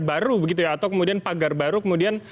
baru begitu ya atau kemudian pagar baru kemudian